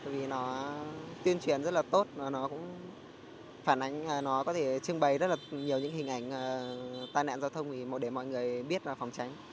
vì nó tuyên truyền rất là tốt nó có thể trưng bày rất là nhiều những hình ảnh tai nạn giao thông để mọi người biết và phòng tránh